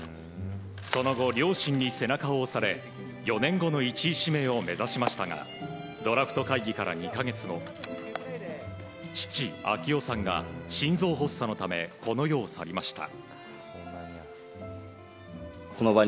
その後、両親に背中を押され４年後の１位指名を目指しましたがドラフト会議から２か月後父・明夫さんが心臓発作のためこの世を去りました。